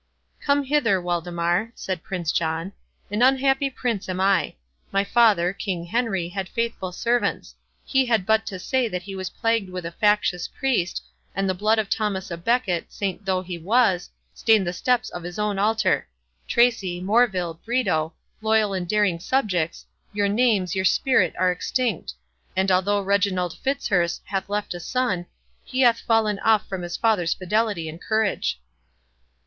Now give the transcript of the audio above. "Come hither, Waldemar," said Prince John. "An unhappy prince am I. My father, King Henry, had faithful servants—He had but to say that he was plagued with a factious priest, and the blood of Thomas a Becket, saint though he was, stained the steps of his own altar.—Tracy, Morville, Brito 47 loyal and daring subjects, your names, your spirit, are extinct! and although Reginald Fitzurse hath left a son, he hath fallen off from his father's fidelity and courage."